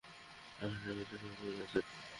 আমার ট্রাকে একটা শটগান আছে।